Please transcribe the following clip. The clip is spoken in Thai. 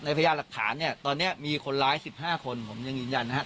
ในพยาหลักฐานเนี่ยตอนเนี่ยมีคนร้ายสิบห้าคนผมยังยืนยันนะครับ